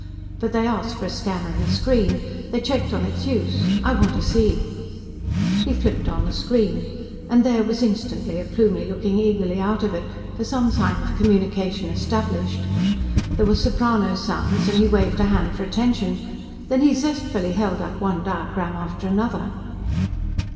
But they asked for a scanner and a screen. They checked on its use. I want to see " He flipped on the screen. And there was instantly a Plumie looking eagerly out of it, for some sign of communication established. There were soprano sounds, and he waved a hand for attention. Then he zestfully held up one diagram after another.